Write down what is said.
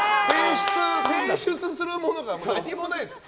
提出するものが何もないんです。